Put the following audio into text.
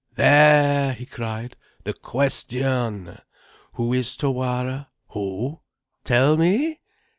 "There!" he cried. "The question! Who is Tawara? Who? Tell me!